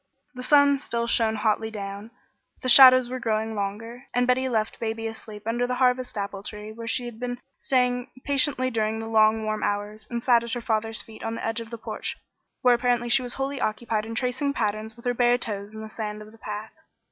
The sun still shone hotly down, but the shadows were growing longer, and Betty left baby asleep under the Harvest apple tree where she had been staying patiently during the long, warm hours, and sat at her father's feet on the edge of the porch, where apparently she was wholly occupied in tracing patterns with her bare toes in the sand of the path.